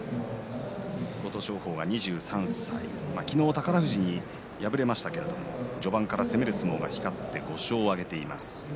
琴勝峰は２３歳きのう宝富士に敗れましたけれども序盤から攻める相撲が光って５勝を挙げています。